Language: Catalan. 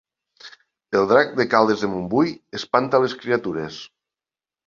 El drac de Caldes de Montbui espanta les criatures